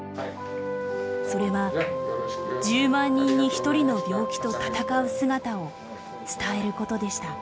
それは１０万人に１人の病気と闘う姿を伝えることでした。